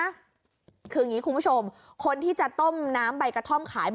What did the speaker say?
คืออย่างนี้คุณผู้ชมคนที่จะต้มน้ำใบกระท่อมขาย